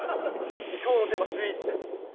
きょうのテーマスイーツです。